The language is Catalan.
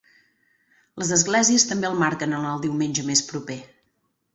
Les esglésies també el marquen en el diumenge més proper.